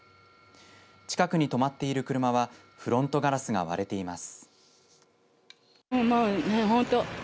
近くに止まっている車はフロントガラスが割れています。